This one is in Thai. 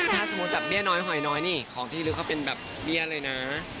ถ้าสมมุติแบบเบี้ยน้อยหอยน้อยนี่ของที่ลึกเขาเป็นแบบเบี้ยเลยนะ